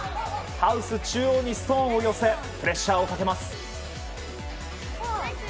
ハウス中央にストーンを寄せプレッシャーをかけます。